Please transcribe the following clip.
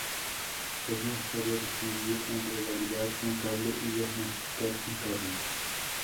Es necesario distinguir entre validar un cable y diagnosticar un cable.